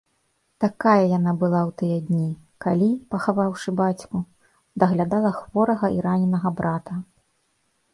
Такая яна была ў тыя дні, калі, пахаваўшы бацьку, даглядала хворага і раненага брата.